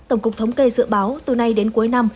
tổng cục thống kê dự báo từ nay đến cuối năm